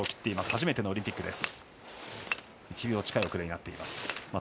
初めてのオリンピック。